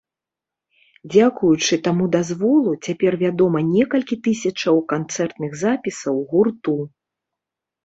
Дзякуючы таму дазволу, цяпер вядома некалькі тысячаў канцэртных запісаў гурту.